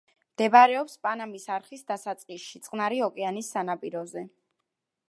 მდებარეობს პანამის არხის დასაწყისში, წყნარი ოკეანის სანაპიროზე.